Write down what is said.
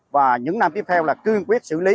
và những năm tiếp theo là cương quyết xử lý